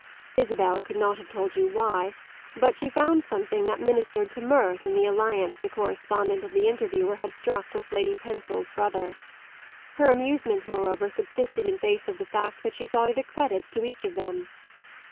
Isabel could not have told you why, but she found something that ministered to mirth in the alliance the correspondent of the Interviewer had struck with Lady Pensil's brother; her amusement moreover subsisted in face of the fact that she thought it a credit to each of them.